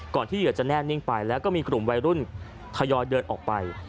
ที่เหยื่อจะแน่นิ่งไปแล้วก็มีกลุ่มวัยรุ่นทยอยเดินออกไป